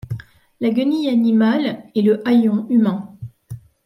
La guenille animale et le haillon humain